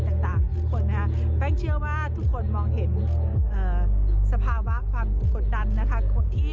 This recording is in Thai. ทั้งต่างจากบ้านเจ้าว่าทุกคนมองเห็นสภาพวะกลับกดดันนะครับ